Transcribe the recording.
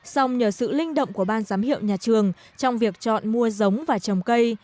xong nhờ sự linh động của ban giám hiệu nhà trường trong việc chọn mua giống và trồng cây